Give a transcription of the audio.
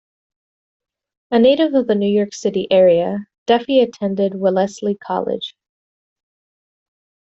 A native of the New York City area, Duffy attended Wellesley College.